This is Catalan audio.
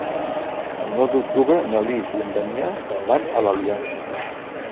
El nou d'octubre na Lis i en Damià van a l'Eliana.